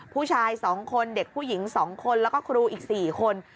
ผู้ชาย๒คนเด็กผู้หญิง๒คนแล้วก็ครูอีก๔คน